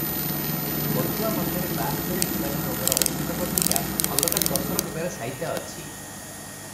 ବଟୁଆ ମଧ୍ୟରେ ବାସ୍ତରୀ ନିଦାନ ରୋଗର ଔଷଧ ବଟିକା ଅଲଗା ତସର ଲୁଗାରେ ସାଇତା ଅଛି ।